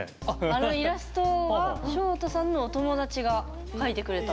あのイラストはしょうたさんのお友達が描いてくれたと。